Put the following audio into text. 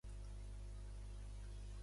A l'est hi ha Shreveport (Louisiana).